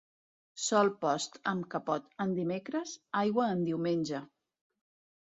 Sol post amb capot en dimecres, aigua en diumenge.